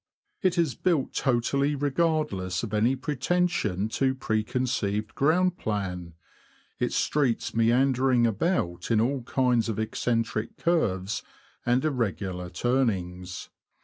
It is built totally regardless of any pretension to preconceived ground plan, its streets meandering about in all kinds of eccentric curves and irregular turnings.